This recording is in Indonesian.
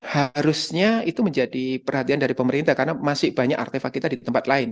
harusnya itu menjadi perhatian dari pemerintah karena masih banyak artefak kita di tempat lain